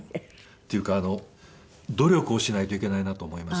っていうか努力をしないといけないなと思います。